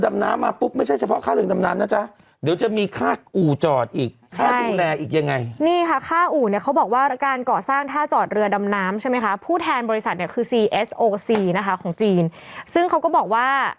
อันนี้ไม่ใช่ลำเดี๋ยวมีมาอีกหลายลำแต่ขนาดเดียวกันเค้าบอกว่า